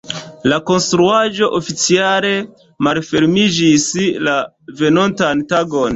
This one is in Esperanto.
La konstruaĵo oficiale malfermiĝis la venontan tagon.